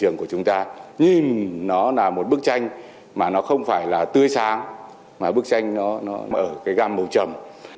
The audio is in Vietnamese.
nhưng nó là một bức tranh mà nó không phải là tươi sáng mà bức tranh nó ở cái gam màu trầm